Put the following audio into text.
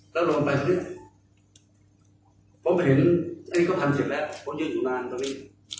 แล้วลงไปตรงนี้ผมเห็นอันนี้ก็๑๐๑๐แล้วยื่นอยู่นานตรงนี้